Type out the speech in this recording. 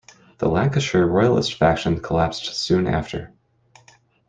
The Lancashire Royalist faction collapsed soon after.